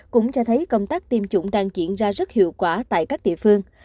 cũng cho thấy công tác tiêm chủng đang diễn ra rất hiệu quả tại các địa phương